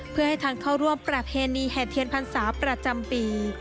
เพื่อให้ทางเข้าร่วมประเพณีแห่เทียนพรรษาประจำปี